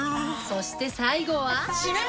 そして最後は。